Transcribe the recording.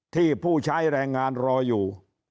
ผู้ใช้แรงงานรออยู่